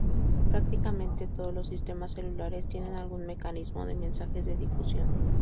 Prácticamente todos los sistemas celulares tienen algún mecanismo de mensajes de difusión.